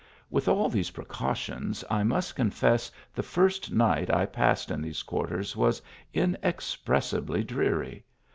With all these precautions, I must confess the first night I passed in these quarters was inexpressibly dreary.